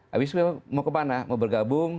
habis memang mau kemana mau bergabung